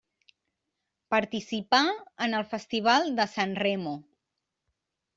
Participà en el Festival de San Remo.